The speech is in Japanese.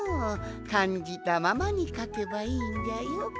かんじたままにかけばいいんじゃよ。